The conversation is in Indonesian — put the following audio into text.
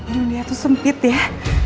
dunia tuh sempit ya